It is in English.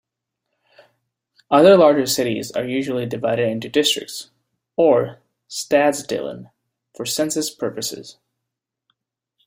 Other large cites are usually divided into districts, or stadsdelen, for census purposes.